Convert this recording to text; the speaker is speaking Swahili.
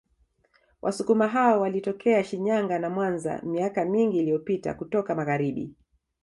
Wasukuma hao walitokea Shinyanga na Mwanza miaka mingi iliyopita kutoka Magharibi